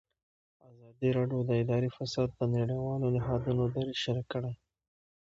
ازادي راډیو د اداري فساد د نړیوالو نهادونو دریځ شریک کړی.